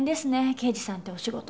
刑事さんってお仕事。